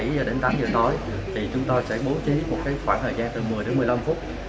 bảy h đến tám h tối thì chúng ta sẽ bố trí một khoảng thời gian từ một mươi đến một mươi năm phút